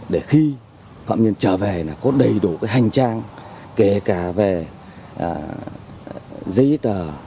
để khi phạm nhân trở về là có đầy đủ cái hành trang kể cả về giấy tờ